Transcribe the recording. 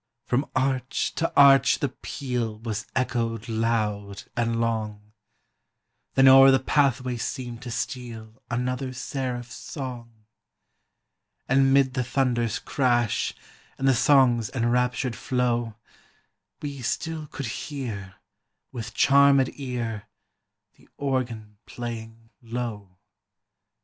From arch to arch the peal Was echoed loud and long Then o'er the pathway seemed to steal Another seraph's song ; And 'mid the thunder's crash And the song's enraptured flow, We still could hear, with charmed ear, The organ playing low.